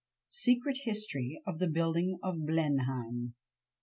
SECRET HISTORY OF THE BUILDING OF BLENHEIM.